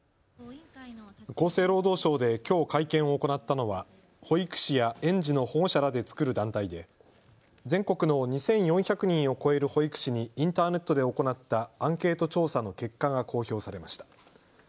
厚生労働省できょう、会見を行ったのは保育士や園児の保護者らで作る団体で全国の２４００人を超える保育士にインターネットで行ったアンケート調査の結果が公表されました。